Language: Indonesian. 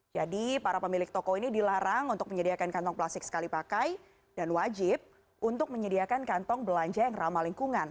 jadi para pemilik toko ini dilarang untuk menyediakan kantong plastik sekali pakai dan wajib untuk menyediakan kantong belanja yang ramah lingkungan